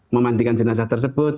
memandikan jenazah tersebut